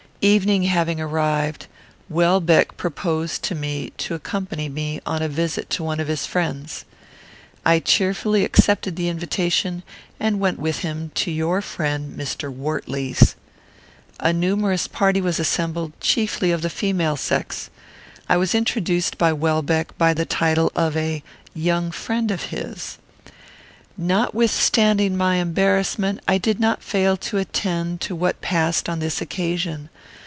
Evening having arrived, Welbeck proposed to me to accompany me on a visit to one of his friends. I cheerfully accepted the invitation, and went with him to your friend Mr. Wortley's. A numerous party was assembled, chiefly of the female sex. I was introduced by Welbeck by the title of a young friend of his. Notwithstanding my embarrassment, I did not fail to attend to what passed on this occasion.